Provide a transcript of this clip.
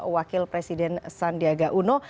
wakil presiden sandiaga uno